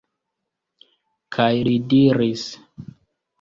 Kaj li diris: